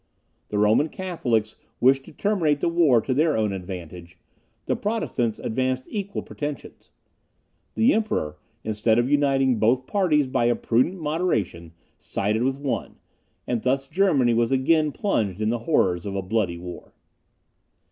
The Roman Catholics wished to terminate the war to their own advantage; the Protestants advanced equal pretensions. The Emperor, instead of uniting both parties by a prudent moderation, sided with one; and thus Germany was again plunged in the horrors of a bloody war.